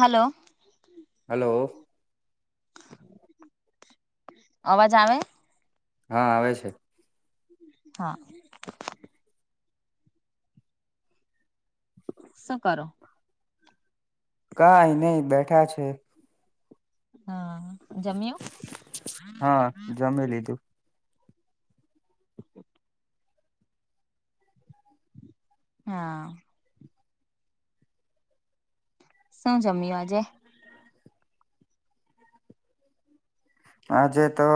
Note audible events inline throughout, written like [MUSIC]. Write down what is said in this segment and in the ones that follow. Hello. Hello. અવાજ આવે. હા આવે છે. હા. શું કરો. કઈ નહી બેઠા છે. હા જમ્યું. હા [UNINTELLIGIBLE] લીધું. હા. શું જમ્યું આજે. આજે તો.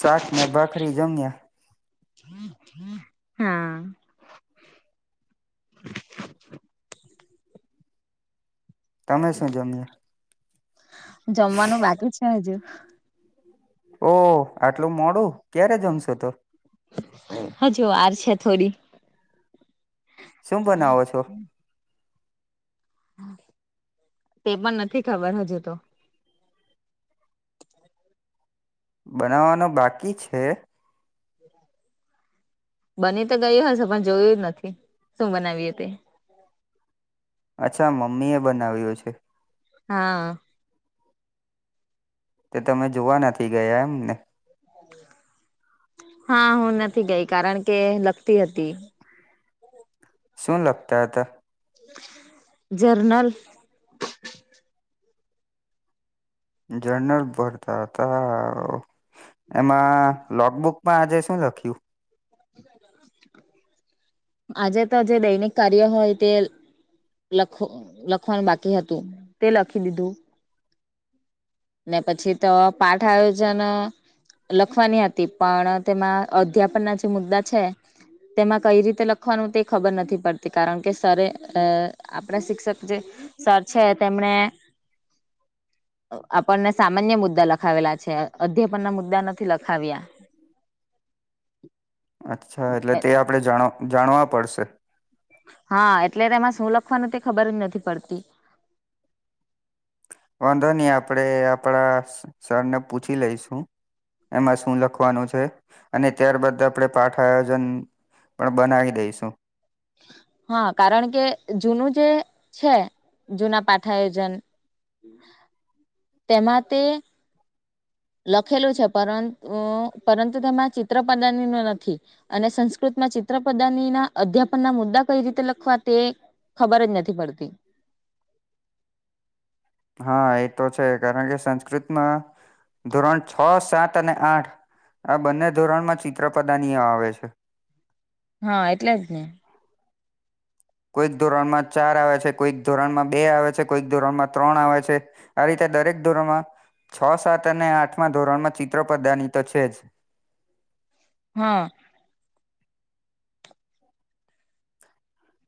શાકને [UNINTELLIGIBLE] જમ્યા. [INAUDIBLE] હા તમે શું જમ્યા. જમાનું બાકી છે, હજુ. ઓ આટલું મોડું ક્યારે જમશો તો. હજુ વાર છે, થોડી. શું બનાવો છો. તે પણ નથી ખબર હજુ તો. [INAUDIBLE] બનાવવાનો બાકી છે. બની તો ગયુ હશે પણ જોયું ય નથી શું બનાવીએ તે. અચ્છા મમ્મી એ બનાવ્યું છે. હા. તે તમે જોવા નથી ગયા એમ ને. [UNINTELLIGIBLE] હા હું નથી ગઈ કારણ કે લગતી હતી. [UNINTELLIGIBLE] હતા. જર્નલ. જર્નલ ભરતા હતા. એમાં લોગબુકમાં આજે શું લખ્યું. આજે તો જે દૈનિક કાર્ય હોય તે. લખુ લખવાનું બાકી હતું તે લખી દીધું. ને પછી તો પાઠ આયોજન. લખવાની હતી પણ તેમાં અધ્યાપન ના જે મુદ્દા છે તેમાં કઈ રીતે લખવાનું તે ખબર નથી પડતી કારણ કે સરરે અ આપણા શિક્ષક જે સર છે તેમણે આપણને સામાન્ય મુદ્દા લખાવેલા છે અધ્યાપન ના મુદ્દા નથી લખાવ્યા. અચ્છા એટલે તે આપણે જાણ જાણવા પડશે. હા એટલે તેમાં શું લખવાનું તે ખબર જ નથી પડતી. વાંધો નહી આપડે આપડા સર ને પૂછી લઈશું. એમાં શું લખવાનું છે અને ત્યારબદ આપણેે પાઠ આયોજન પણ બનાવી દઈશું. હા કારણ કે જૂનું જે છે. જૂના પાઠ આયોજન તેમાં તે લખેલું છે પરુ પરંતુ તેમાં ચિત્રપદની ન નથી. અને સંસ્કૃતમાં ચિત્રપદાની ના અધ્યાપન ના મુદ્દા કઈ રીતે લખવા તે ખબર જ નથી પડતી. હા એ તો છે કારણ કે સંસ્કૃતમાં ધોરણ છ, સાત અને આઠ આ બંને ધોરણમાં ચિત્રપદાનીઓ આવે છે. હા એટલે જ ને. કોઈક ધોરણમાં ચાર આવે છે કોઈક ધોરણમાં બે આવે છે કોઈક ધોરણમાં ત્રણ આવે છે. આ રીતે દરેક ધોરણમાં છ, સાત અને આઠમા ધોરણમાં ચિત્રપદાની તો છે જ. હા.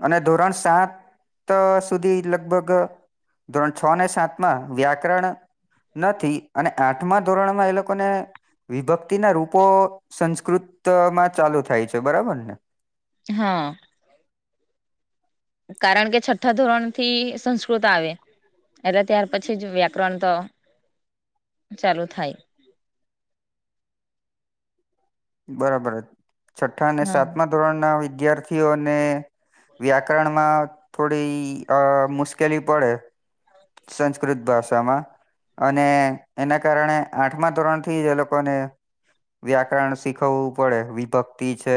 અને ધોરણ સાત સુધી લગભગ ધોરણ છ ને સાત માં વ્યાકરણ નથી અને આઠમા ધોરણમાં એ લોકોને વિભક્તિ ના રૂપો સંસ્કૃતમાં ચાલુ થાય છે બરાબર ને. હા. કારણ કે છઠ્ઠા ધોરણ થી સંસ્કૃત આવે. એટલે ત્યાર પછી જ વ્યાકરણ તો ચાલુ થાય. બરાબર છઠ્ઠાને હા સાતમા ધોરણ ના વિદ્યાર્થીઓને વ્યાકરણ માં થોડી અ મુશ્કેલી પડે સંસ્કૃત ભાષામાં. અને એના કારણે આઠમા ધોરણ થી જ એ લોકોને વ્યાકરણ શીખવવું પડે વિભક્તિ છે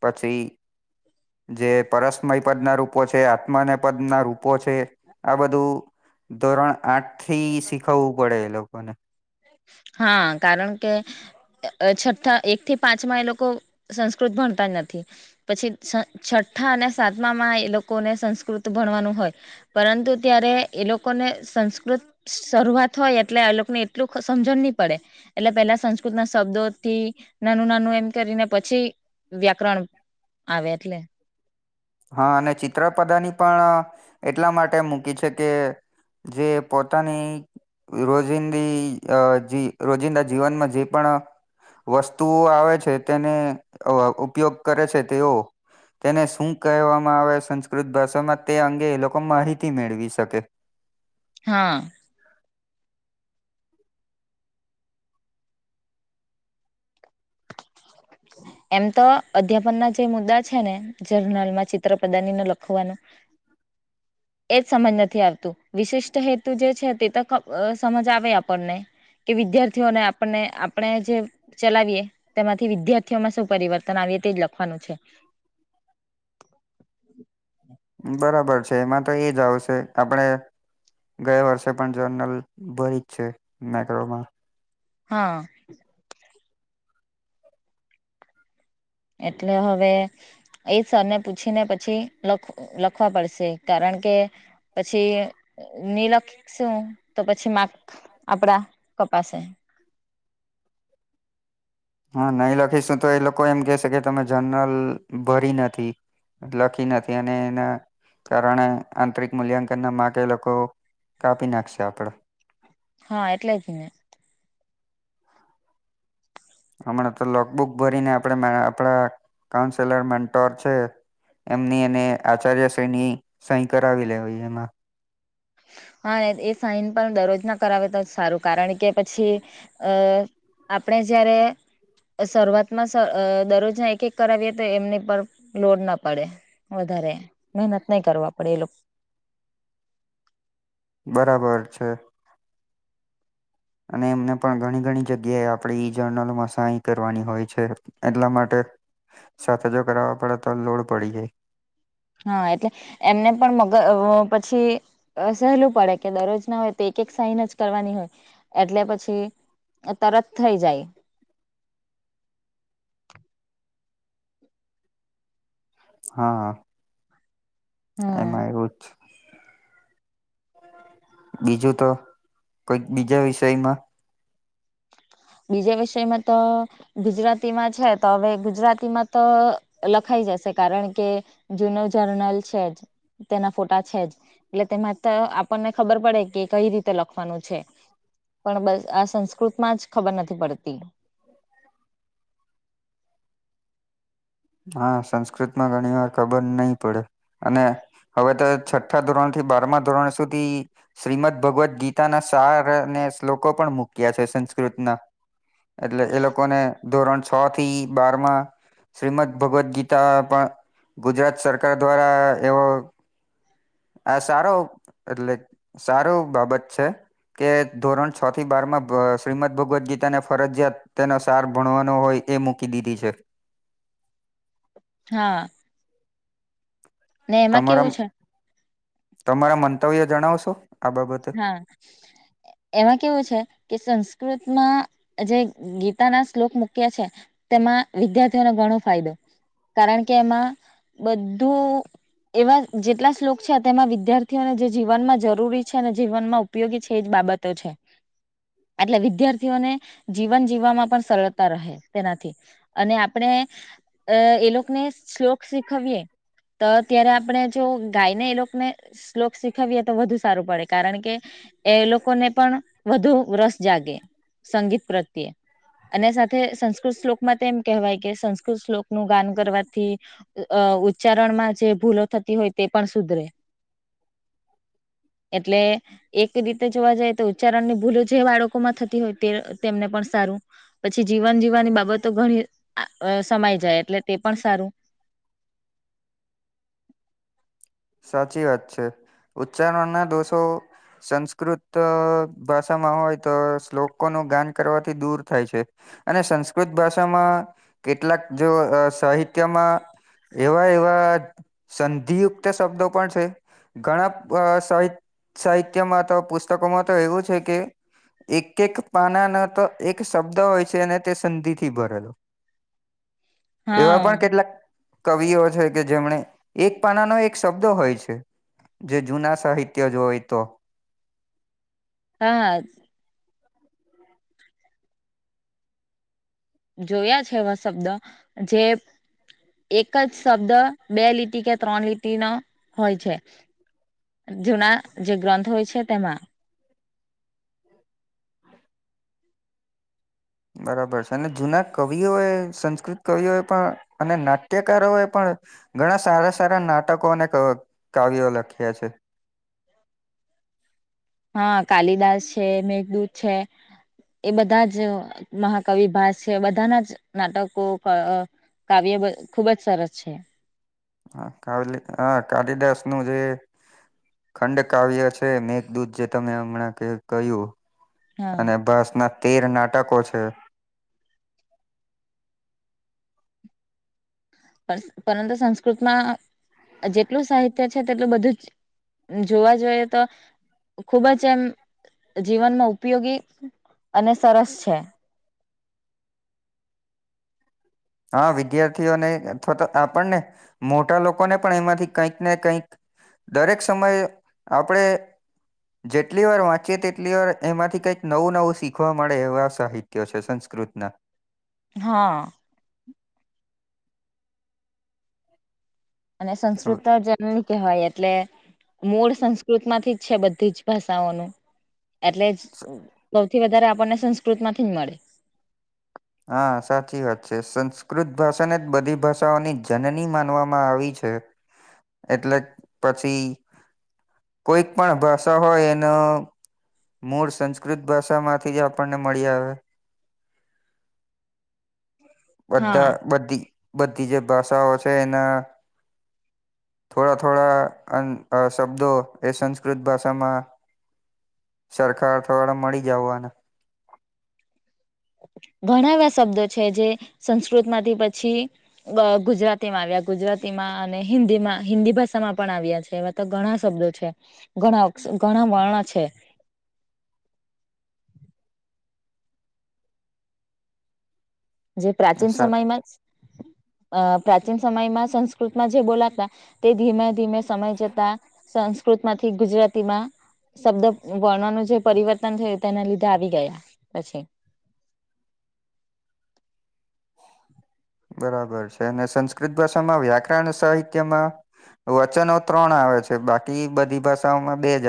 પછી. જે પરસ્મય પદ ના રૂપો છે આત્માને પદ ના રૂપો છે. આ બધું ધોરણ આઠથી શીખવવું પડે એ લોકોને. હા કારણ કે છઠ્ઠા એક થી પાંચમાં એ લોકો સંસ્કૃત ભણતા જ નથી. પછી છ છઠ્ઠા અને સાતમામાં એ લોકોને સંસ્કૃત ભણવાનું હોય. પરંતુ ત્યારે એ લોકોને સંસ્કૃત શરૂઆત હોય એટલે આ લોકોને એટલું સમજણ નહી પડે. એટલે પેલા સંસ્કૃત ના શબ્દોથી નાનું નાનું એમ કરીને પછી વ્યાકરણ આવે એટલે. હા અને ચિત્રપદાની પણ એટલા માટે મૂકી છે કે જે પોતાની રોજિંદી રોજિંદા જીવનમાં જે પણ વસ્તુઓ આવે છે તેને ઉપયોગ કરે છે તેઓ તેને શું કહેવામાં આવે સંસ્કૃત ભાષામાં તે અંગે એ લોકો માહિતી મેળવી શકે હા એમ તો અધ્યાપન ના જે મુદ્દા છે ને જર્નલમાં ચિત્ર પ્રદાનીને લખવાનું [INAUDIBLE] એજ સમજ નથી આવતું વિશિષ્ટ હેતુ જે છે તે તો સમજ આવે આપણને કે વિદ્યાર્થીઓને આપણને આપણે જે ચલાવીએ તેમાંથી વિદ્યાર્થીઓમાં શું પરિવર્તન આવીએ તે જ લખવાનું છે બરાબર છે એમાં તો એ જ આવશે આપડે ગયા વર્ષે પણ જર્નલ ભરી જ છે મેક્રોમાં હા એટલે હવે એ સરને પૂછીને પછી લખ લખવા પડશે કારણ કે પછી ની લખી શું તો પછી મા આપડા કપશે હા નહી લખીશું તો એ લોકો એમ કેસે કે તમે જનરલ ભરી નથી લખી નથી અને એના કારણે આંતરિક મૂલ્યાંકન ના માગ લોકો કાપી નાખશે આપણે હા એટલે ને હમણાં તો લોકબુક ભરીને આપ આપડા કાઉન્સેલર મેન્ટોર છે એમની એને આચાર્યશ્રીની સહી કરાવી લેવી એમાં હા ને એ સાઇન પણ દરરોજ ના કરાવે તો જ સારું કારણ કે પછી અ આપણે જ્યારે શરૂઆતમાં દરરોજના એક એક કરાવીએ તો એમની પર લોડ ના પડે વધારે મહેનત નહી કરવા પડે એ લોકો બરાબર છે અને એમને પણ ઘણી ઘણી જગ્યાએ આપણે ઈ જર્નલોમાં સાય કરવાની હોય છે એટલા માટે સાથે જો કરાવવા પડે તો લોડ પડી જાય હા એટલે એમને પણ મગર પછી સહેલું પડે કે દરરોજ ના હોય તો એક એક સાઈન જ કરવાની હોય એટલે પછી તરત થઈ જાય હા હમ એમાં એવું જ બીજું તો કોઈક બીજા વિષયમાં બીજા વિષયમાં તો ગુજરાતીમાં છે તો હવે ગુજરાતીમાં તો લખાઈ જશે કારણ કે જૂનો જર્નલ છે જ તેના ફોટા છે જ એટલે તેમાં આપણને ખબર પડે કે કઈ રીતે લખવાનું છે પણ બસ આ સંસ્કૃત માં જ ખબર નથી પડતી હા સંસ્કૃત માં ઘણી વાર ખબર નહી પડે અને હવે તો છઠ્ઠા ધોરણ થી બારમા ધોરણ સુધી શ્રીમદ ભગવદ ગીતાના સારાને શ્લોકો પણ મુૂક્યા છે સંસ્કૃતના એટલે એ લોકોને ધોરણ છ થી બાર માં શ્રીમદ ભગવદ્ ગીતા પણ ગુજરાત સરકાર દ્વારા એવો આ સારો એટલે સારું બાબત છે કે ધોરણ છ થી બાર માં શ્રીમદ ભગવદ્ ગીતાને ફરજયાત તેનો સાર ભણવાનો હોય એ મૂકી દીધી છે. હા ને એમાં તમારા કેવું છે તમારા મંતવ્ય જણાવશો આ બાબતે હા એમાં કેવું છે કે સંસ્કૃતમાં જે ગીતા ના શ્લોક મૂક્યા છે. તેમાં વિદ્યાર્થીઓને ઘણો ફાયદો કારણ કે એમાં. બધું એવા જેટલા શ્લોક છે તેમાં વિદ્યાર્થીઓને જે જીવનમાં જરૂરી. છે ને જીવનમાં ઉપયોગી છે એ જ બાબતો છે. એટલે વિદ્યાર્થીઓને જીવન જીવવામાં પણ સરળતા રહે તેનાથી. અને આપણે અ એ લોકને શ્લોક શીખવીએ. તો ત્યારે આપણે જો ગાયને એ લોકને શ્લોક શીખવીએ તો વધુ સા. પડે કારણ કે એ લોકોને પણ વધુ રસ જાગે. સંગીત પ્રત્યે. અને સાથે સંસ્કૃત શ્લોકમાં તો એમ કહેવાય કે સંસ્કૃત શ્લોક નું ગાન કરવાથી. અ ઉચ્ચારણ માં જે ભૂલો થતી હોય તે પણ સુધરે. [UNINTELLIGIBLE] એટલે. એક રીતે જોવા જાય તો ઉચ્ચારણ ની ભૂલો જે બાળકો માં થતી હોય તે તેમને પણ સારું. પછી જીવન જીવવાની બાબતો ઘણી સમાય જાય એટલે તે પણ સારું. સાચી વાત છે ઉચ્ચારણના દોષો. સંસ્કૃત ભાષામાં હોય તો શ્લોકોનું ગાન કરવાથી દૂર થાય છે. અને સંસ્કૃત ભાષામાં કેટલાક જો સાહિત્યમાં. એવા એવા સંધિયુક્ત શબ્દો પણ છે. ઘણા સાહ સાહિત્યમાં તો પુસ્તકોમાં તો એવું છે કે. એક એક પાના ન તો એક શબ્દ હોય છે અને તે સંધિથી ભરેલો. હા એવા પણ કેટલાક કવિઓ છે કે જેમને એક પાનાનો એક. શબ્દો હોય છે જે જૂના સાહિત્ય જો હોય તો. હા. જોયા છે એવા શબ્દ જે. એક જ શબ્દ બે લીટી કે ત્રણ લીટી નો હોય છે. જૂના જે ગ્રંથ હોય છે તેમાં. બરાબર છે અને જૂના કવિઓ એ સંસ્કૃત કવિઓ એ પણ. અને નાટ્યકારો એ પણ. ઘણા સારા સારા નાટકો અને કાવ્યો્ લખ્યા છે. હા કાલિદાસ છે મેઘદૂત છે. એ બધા જ મહાકવિભાસ છે બધાના જ નાટકો ક. કાવ્ય ખુબ જ સરસ છે. હ કાવલી હ કાલિદાસ નું જે. ખંડકાવ્ય છે મેઘદૂત જે તમે હમણાં કહ્યું. હા અને ભાસ ના તેર નાટકો છે. પરંતુ સંસ્કૃતમાં જેટલું સાહિત્ય છે તેટલું બધું જ. જોવા જોઈએ તો. ખુબ જ એમ જીવનમાં ઉપયોગી અને સરસ છે. હા વિદ્યાર્થીઓને અથવા તો આપણને મોટા લોકોને પણ એમાંથી કંઈક ને કંઈક. દરેક સમયે આપણેે. જેટલી વાર વાંચી તેટલી વાર એમાંથી કંઈક નવું નવું શીખવા મળે એવા સાહિ. ત્ય છે સંસ્કૃત ના. હા. અને હવે સંસ્કૃત જ. ન કહેવાય એટલે મૂળ સંસ્કૃત માંથી જ છે બધી જ ભાષાઓનું. એટલે જ સ સૌથી વધારે આપણને સંસ્કૃત માંથી જ મળે. હા સાચી વાત છે સંસ્કૃત ભાષાને જ બધી ભાષાઓની જનની માનવામાં આવી છે. એટલે પછી કોઈક પણ ભાષા હોય એનો. મૂળ સંસ્કૃત ભાષા માંથી જ આપણને મળી આવે. બધા હા. બધી બધી જે ભાષાઓ છે એના. થોડા થોડા શબ્દો એ સંસ્કૃત ભાષામાં. સરકાર દ્વારા મળી જાવને. ઘણા એવા શબ્દો છે જે સંસ્કૃત માંથી પછી. ગુજરાતી માં આવ્યા ગુજરાતીમાં અને હિન્દીમાં હિન્દી ભાષામાં પણ આવ્યા છે. ઘણા શબ્દો છે ઘણા અ ઘણા વર્ણ છે. જે પ્રાચીન સમયમાં જ. [INAUDIBLE] અ પ્રાચીન સમયમાં સંસ્કૃતમાં જે બોલાતા તે ધીમે ધીમે સમય જતા. સંસ્કૃત માંથી ગુજરાતી માં. શબ્દ વર્ણનું જે પરિવર્તન છે તેના લીધે આવી ગયા પછી. બરાબર છે અને સંસ્કૃત ભાષામાં વ્યાકરણ સાહિત્યમાં. વચનો ત્રણ આવે છે બાકી બધી ભાષાઓમાં બે જ.